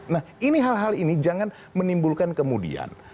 nah ini hal hal ini jangan menimbulkan kemudian